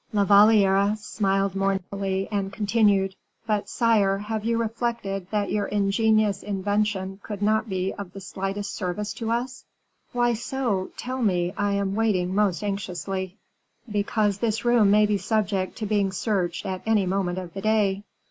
La Valliere smiled mournfully, and continued: "But, sire, have you reflected that your ingenious invention could not be of the slightest service to us?" "Why so? Tell me, I am waiting most anxiously." "Because this room may be subject to being searched at any moment of the day.